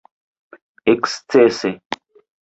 ekscese